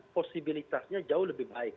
posibilitasnya jauh lebih baik